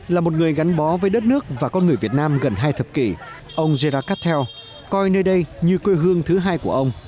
là một người gắn bó với đất nước và con người việt nam gần hai thập kỷ ông jerra catel coi nơi đây như quê hương thứ hai của ông